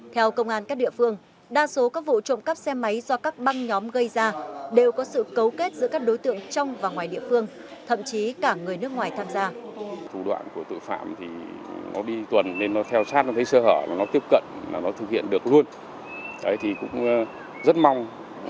theo công an các địa phương đa số các vụ trộm cắp xe máy do các băng nhóm gây ra đều có sự cấu kết giữa các đối tượng trong và ngoài địa phương